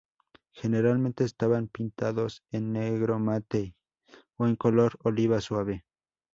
Generalmente estaban pintados en negro mate o en color oliva suave.